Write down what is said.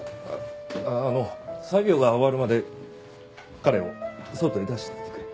あの作業が終わるまで彼を外へ出しておいてくれ。